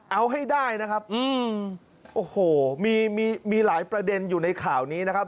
เอาให้ได้นะครับโอ้โหมีมีหลายประเด็นอยู่ในข่าวนี้นะครับ